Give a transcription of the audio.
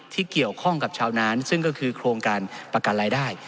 ที่เกี่ยวข้องกับชาวนานซึ่งก็คือโครงการประกันรายได้